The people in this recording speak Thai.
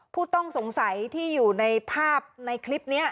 ผู้ต้องสงสัยที่อยู่ในภาพในคลิปนี้